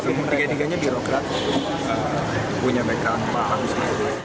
semua tiga tiganya birokrat punya bekalan paham